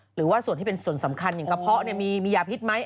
หรือว่าส่วนที่เป็นส่วนสำคัญอย่างกระเพาะมียาพิษไหม